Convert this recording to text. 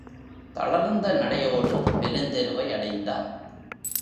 தளர்ந்த நடையோடு பெருந்தெருவை அடைந்தான்.